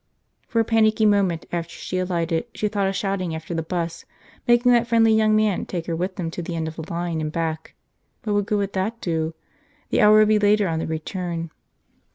For a panicky moment after she alighted she thought of shouting after the bus, making that friendly young man take her with him to the end of the line and back. But what good would that do? The hour would be later on the return.